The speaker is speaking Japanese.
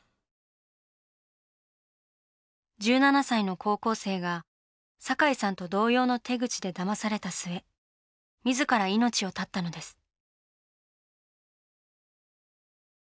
１７歳の高校生が堺さんと同様の手口でだまされた末自ら命を絶ったのです。